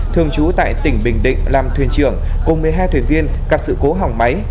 thường trú tại tỉnh bình định làm thuyền trưởng cùng một mươi hai thuyền viên gặp sự cố hỏng máy